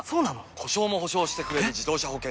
故障も補償してくれる自動車保険といえば？